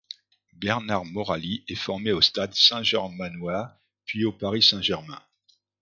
Bernard Moraly est formé au Stade saint-germanois puis au Paris Saint-Germain.